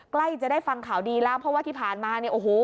ใกล้จะได้ฟังข่าวดีแล้วเพราะว่าที่ผ่านมา